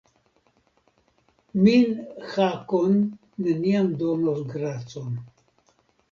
Min Hakon neniam donos gracon.